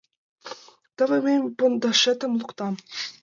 Теве мый пондашетым луктам!